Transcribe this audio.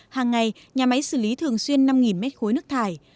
hàng ngày nhà máy xử lý thường xuyên năm mét khối nước thải